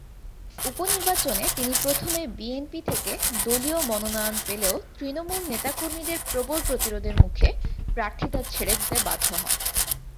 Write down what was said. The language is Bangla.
উপনির্বাচনে তিনি প্রথমে বিএনপি থেকে দলীয় মনোনয়ন পেলেও তৃণমূল নেতা-কর্মীদের প্রবল প্রতিরোধের মুখে প্রার্থিতা ছেড়ে দিতে বাধ্য হন।